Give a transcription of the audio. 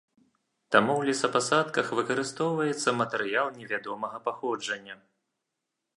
Таму ў лесапасадках выкарыстоўваецца матэрыял невядомага паходжання.